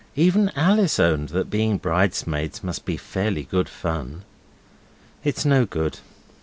Even Alice owned that being bridesmaids must be fairly good fun. It's no good.